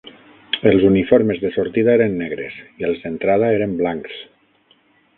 Els uniformes de sortida eren negres i els d'entrada eren blancs.